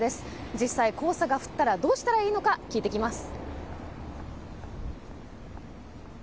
実際、黄砂が降ったらどうしたらいいのか聞いてきます。